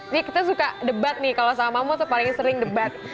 nih kita suka debat nih kalau sama mama tuh paling sering debat